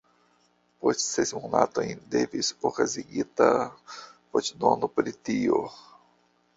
Post ses monatojn devis okazigita voĉdono pri tio.